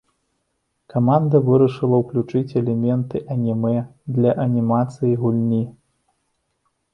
Каманда вырашыла ўключыць элементы анімэ для анімацыі гульні.